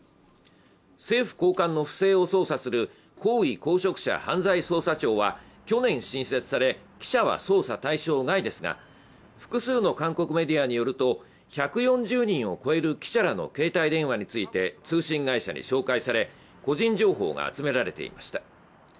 政府高官の不正を捜査する高位公職者犯罪捜査庁は去年新設され、記者は捜査対象外ですが、複数の韓国メディアによると１４０人を超える記者らの携帯電話について、通信会社に照会され個人情報が集められていました。